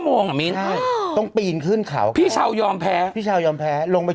ไม่มีคนมายมีคนเลย